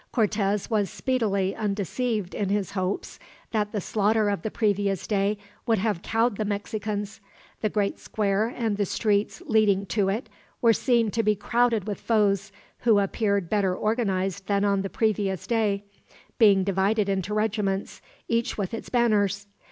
Cortez was speedily undeceived in his hopes that the slaughter of the previous day would have cowed the Mexicans. The great square and the streets leading to it were seen to be crowded with foes, who appeared better organized than on the previous day, being divided into regiments, each with its banners.